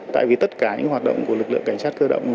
tại vì tất cả những hoạt động của lực lượng cảnh sát cơ động